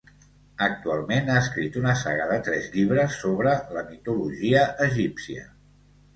Actualment ha escrit una saga de tres llibres sobre la mitologia egípcia.